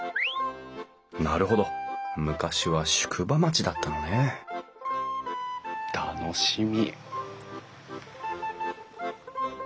なるほど昔は宿場町だったのね楽しみ。